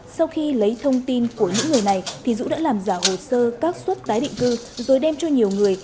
sau khi lấy thông tin của những người này thì dũ đã làm giả hồ sơ các suất tái định cư rồi đem cho nhiều người